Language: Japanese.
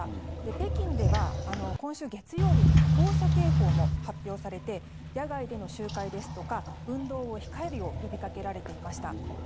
北京では今週月曜日に黄砂警報も発表されて野外での集会ですとか運動を控えるよう呼びかけられていました。